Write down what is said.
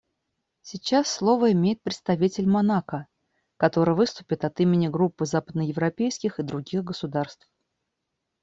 Сейчас слово имеет представитель Монако, который выступит от имени Группы западноевропейских и других государств.